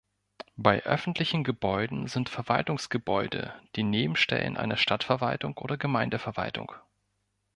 Bei öffentlichen Gebäuden sind Verwaltungsgebäude die Nebenstellen einer Stadtverwaltung oder Gemeindeverwaltung.